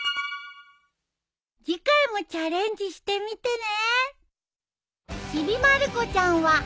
次回もチャレンジしてみてね。